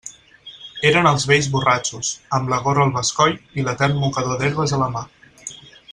Eren els vells borratxos, amb la gorra al bescoll i l'etern mocador d'herbes a la mà.